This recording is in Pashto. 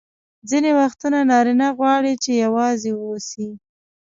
ځیني وختونه نارینه غواړي چي یوازي واوسي.